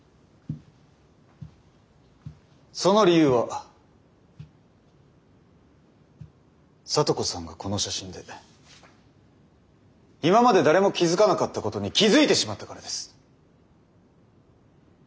その理由は咲都子さんがこの写真で今まで誰も気付かなかったことに気付いてしまったからです。